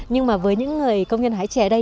nhưng mà với những người công nhân hái chè ở đây